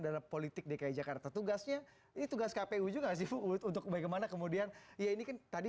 dalam politik dki jakarta tugasnya ini tugas kpu juga sih untuk bagaimana kemudian ya ini kan tadi